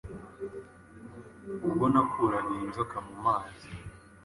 Ubwo nakuraga iyi nzoka mu mazi